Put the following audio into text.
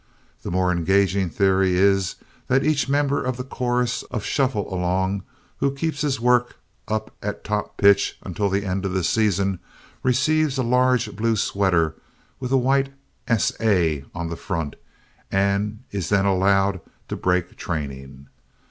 The more engaging theory is that each member of the chorus of Shuffle Along who keeps his work up at top pitch until the end of the season receives a large blue sweater with a white "S. A." on the front and is then allowed to break training.